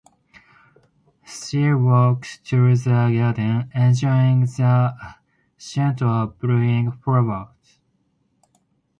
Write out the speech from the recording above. She walked through the garden, enjoying the scent of blooming flowers.